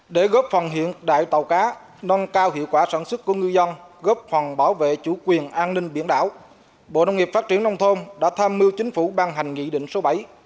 để góp phần hiện đại tàu cá nâng cao hiệu quả sản xuất của ngư dân góp phần bảo vệ chủ quyền an ninh biển đảo bộ nông nghiệp phát triển nông thôn đã tham mưu chính phủ ban hành nghị định số bảy